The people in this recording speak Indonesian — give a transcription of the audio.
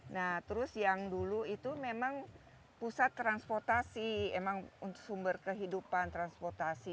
nah terus yang dulu itu memang pusat transportasi emang sumber kehidupan transportasi